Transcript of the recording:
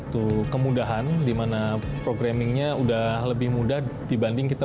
nanti dengan laravel ada kemudahan dimana programmingnya lebih mudah dibanding dari awal